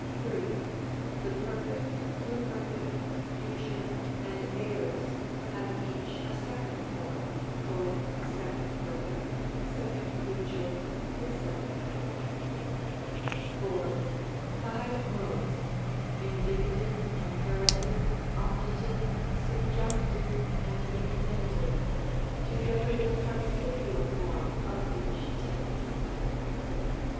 3. The Perfect, Pluperfect, Future, and Aorist, have each a second form, called 2d Perfect, 2d Fu ture, &c. 4. Five Modes: Indicative, Imperative, Optative, Subjunctive, and Infinitive, together with a participial form of each tense.